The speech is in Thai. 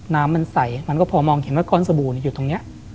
น้ำมันใส่มันก็เพราะมองใช่ก้อนสบู่อยู่ตรงนี้